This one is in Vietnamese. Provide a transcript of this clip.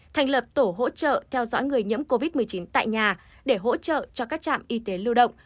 thành lập tổ hỗ trợ theo dõi người nhiễm covid một mươi chín tại nhà để hỗ trợ cho các trạm y tế lưu động